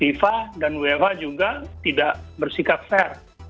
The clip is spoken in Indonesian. wfh juga tidak bersikap fair